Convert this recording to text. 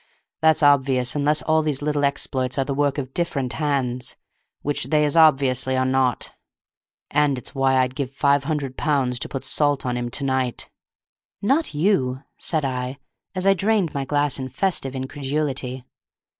That's obvious unless all these little exploits are the work of different hands, which they as obviously are not. And it's why I'd give five hundred pounds to put salt on him to night!" "Not you," said I, as I drained my glass in festive incredulity.